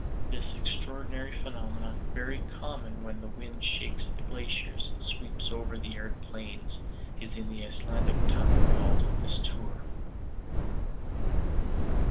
This extraordinary phenomenon, very common when the wind shakes the glaciers, and sweeps over the arid plains, is in the Icelandic tongue called "mistour."